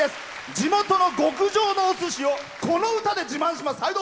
地元の極上のお寿司をこの歌で自慢します。